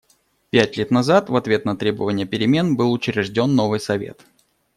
Пять лет назад, в ответ на требования перемен, был учрежден новый Совет.